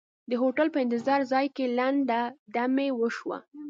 د هوټل په انتظار ځای کې لنډه دمې وشوه.